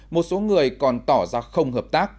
một số người còn tỏ ra không hợp tác